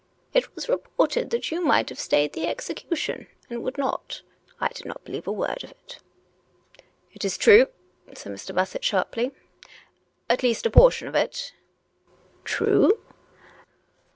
" It was reported that you might have stayed the execution, and would not. I did not believe a word of it." " It is true," said Mr. Bassett sharply —" at least a por tion of it." "True.?"